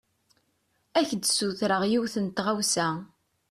Ad ak-d-sutreɣ yiwen n tɣawsa.